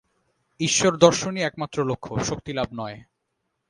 ঈশ্বর-দর্শনই একমাত্র লক্ষ্য, শক্তিলাভ নয়।